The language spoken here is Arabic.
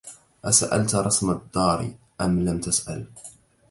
أسألت رسم الدارِ أم لم تسأل